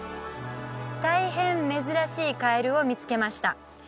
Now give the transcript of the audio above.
大変珍しいカエルを見つけました